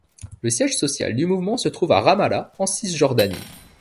Le siège social du mouvement se trouve à Ramallah, en Cisjordanie.